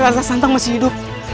tentu saja dia masih hidup